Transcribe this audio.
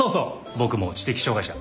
僕も知的障がい者。